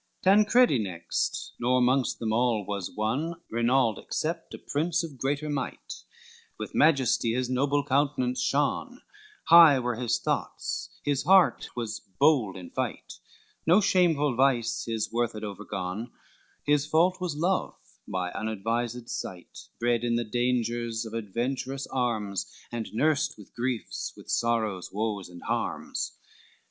XLV Tancredi next, nor 'mongst them all was one, Rinald except, a prince of greater might, With majesty his noble countenance shone, High were his thoughts, his heart was bold in fight, No shameful vice his worth had overgone, His fault was love, by unadvised sight, Bred in the dangers of adventurous arms, And nursed with griefs, with sorrows, woes, and harms.